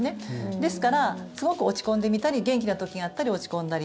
ですからすごく落ち込んでみたり元気な時があったり落ち込んだり。